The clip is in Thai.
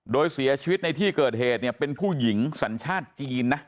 โดยเสียชีวิตในที่เกิดเหตุเนี่ยเป็นผู้หญิงสัญชาติจีนนะ